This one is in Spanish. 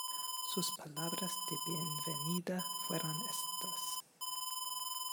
sus palabras de bienvenida fueron éstas: